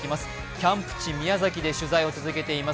キャンプ地、宮崎で取材を続けています